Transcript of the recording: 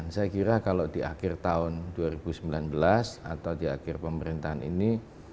saya kira kalau di akhir tahun dua ribu sembilan belas atau di akhir pemerintahan ini